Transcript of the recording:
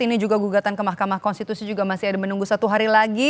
ini juga gugatan ke mahkamah konstitusi juga masih ada menunggu satu hari lagi